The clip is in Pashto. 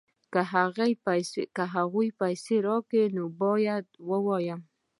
که هغوی پیسې راکوي نو باید ووایو